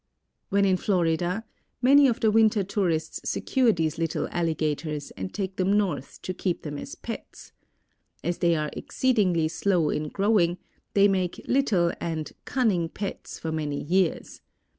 When in Florida many of the winter tourists secure these little alligators and take them North to keep them as pets. As they are exceedingly slow in growing, they make "little" and "cunning" pets for many years.